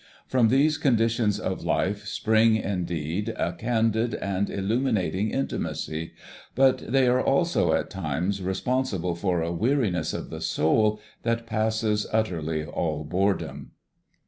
From these conditions of life spring, indeed, a candid and illuminating intimacy; but they are also at times responsible for a weariness of the soul that passes utterly all boredom.